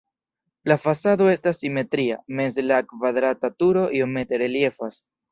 La fasado estas simetria, meze la kvadrata turo iomete reliefas.